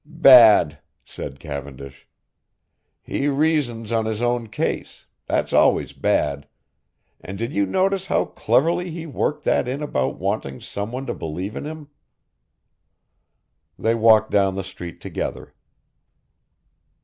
"Bad," said Cavendish. "He reasons on his own case, that's always bad, and did you notice how cleverly he worked that in about wanting someone to believe in him." They walked down the street together.